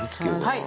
はい。